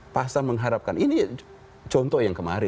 pasar mengharapkan ini contoh yang kemarin